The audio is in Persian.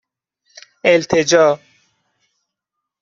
اِلتِجا